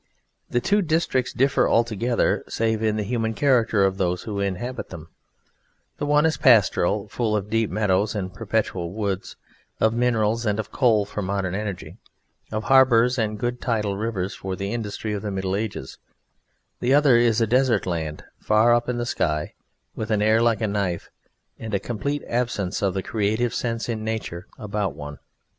The two districts differ altogether save in the human character of those who inhabit them: the one is pastoral, full of deep meadows and perpetual woods, of minerals and of coal for modern energy, of harbours and good tidal rivers for the industry of the Middle Ages; the other is a desert land, far up in the sky, with an air like a knife, and a complete absence of the creative sense in nature about one.